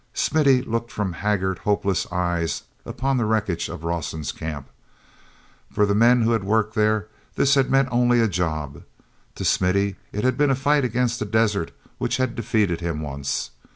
Smithy looked from haggard, hopeless eyes upon the wreckage of Rawson's camp. For the men who had worked there, this had meant only a job; to Smithy it had been a fight against the desert which had defeated him once.